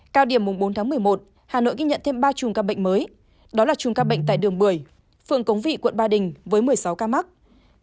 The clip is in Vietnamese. cao điểm bốn tháng một mươi một hà nội ghi nhận thêm ba trùm ca bệnh mới đó là trùm ca bệnh tại đường một mươi phường cống vị quận ba đình với một mươi sáu ca mắc